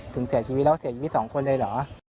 ถึงเสียชีวิตแล้วเสียชีวิต๒คนเลยเหรอ